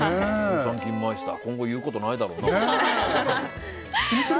今後言うことないだろうな。